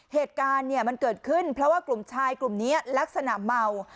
เหตุการณ์เนี่ยมันเกิดขึ้นเพราะว่ากลุ่มชายกลุ่มนี้ลักษณะเมา